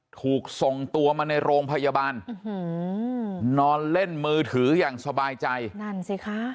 ถูกส่งตัวมาในโรงพยาบาลนอนเล่นมือถืออย่างสบายใจนั่นสิคะ